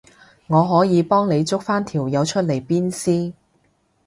我可以幫你捉返條友出嚟鞭屍